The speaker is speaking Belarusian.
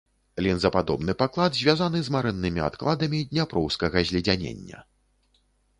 Лінзападобны паклад звязаны з марэннымі адкладамі дняпроўскага зледзянення.